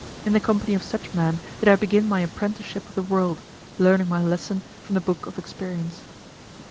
In the company of such men did I begin my apprenticeship of the world, learning my lesson from the book of experience.